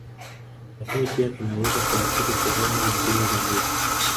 Lakini pia kinaweza kuathiri sehemu nyingine za mwili